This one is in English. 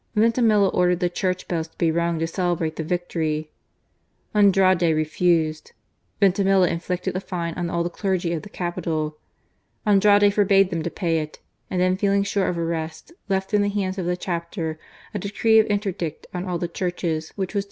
Vintimilla ordered the church bells to be rung to celebrate the victory. Andrade refused : Vintimilla inflicted a fine on all the clergy of the capital. Andrade forbade them to pay it ; and then feeling sure of arrest, left in the hands of the chapter a decree of interdict on all the churches, which was to .